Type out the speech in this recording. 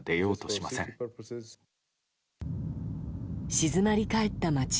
静まり返った街。